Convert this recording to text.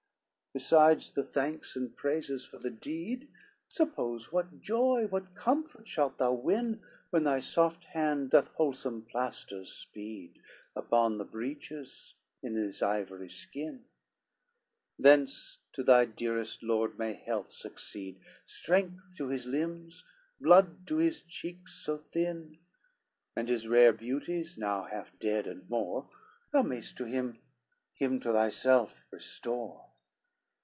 LXXVI "Besides the thanks and praises for the deed, Suppose what joy, what comfort shalt thou win, When thy soft hand doth wholesome plaisters speed, Upon the breaches in his ivory skin, Thence to thy dearest lord may health succeed, Strength to his limbs, blood to his cheeks so thin, And his rare beauties, now half dead and more, Thou may'st to him, him to thyself restore.